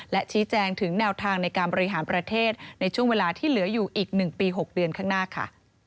และชี้แจงถึงแนวทางในการบริหารประเทศในช่วงเวลาที่เหลืออยู่อีก๑ปี๖เดือนข้างหน้าค่ะ